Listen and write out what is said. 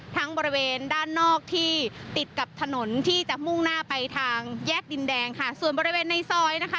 บริเวณด้านนอกที่ติดกับถนนที่จะมุ่งหน้าไปทางแยกดินแดงค่ะส่วนบริเวณในซอยนะคะ